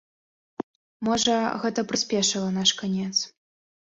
Можа, гэта прыспешыла наш канец.